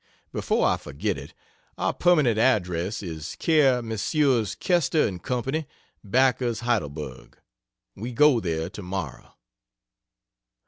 Before I forget it, our permanent address is Care Messrs. Koester & Co., Backers, Heidelberg. We go there tomorrow.